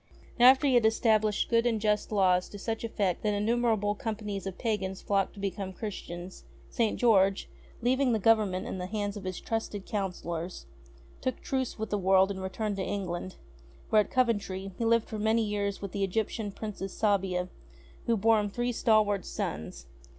Now, after that he had established good and just laws to such eff^ect that innumerable companies of pagans flocked to become Christians, St. George, leaving the Government in the hands of his trusted counsellors, took truce with the world and returned to England, where, at Coventry, he lived for many years with the Egyptian Princess Sabia, who bore him three stalwart sons.